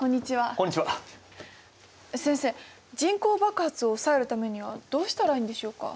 先生人口爆発を抑えるためにはどうしたらいいんでしょうか？